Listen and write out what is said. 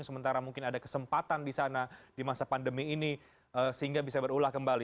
sementara mungkin ada kesempatan di sana di masa pandemi ini sehingga bisa berulah kembali